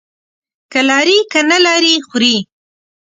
که لري، که نه لري، خوري.